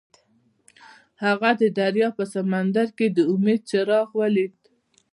هغه د دریاب په سمندر کې د امید څراغ ولید.